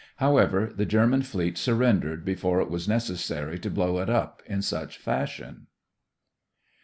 However, the German fleet surrendered before it was necessary to blow it up in such fashion.